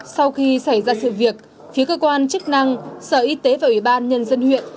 sau khi xảy ra sự việc phía cơ quan chức năng sở y tế và ủy ban nhân dân huyện